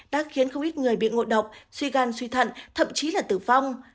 đã khiến không ít người bị ngộ độc suy gan suy thận thậm chí là tử vong